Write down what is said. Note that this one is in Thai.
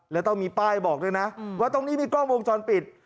แล้วต้องมีป้ายบอกด้วยนะว่าตรงนี้มีกล้องวงจรปิด